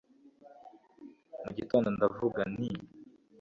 mugitondo ndavuga nti